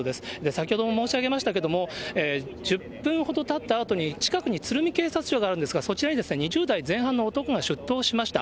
先ほども申し上げましたけれども、１０分ほどたったあとに、近くに鶴見警察署があるんですが、そちらに２０代前半の男が出頭しました。